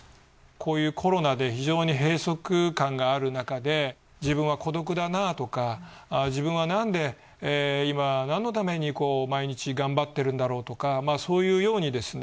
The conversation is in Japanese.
こういうコロナで非常に閉塞感があるなかで自分は孤独だなとかあぁ自分はなんで今何のために毎日頑張ってるんだろうとかそういうようにですね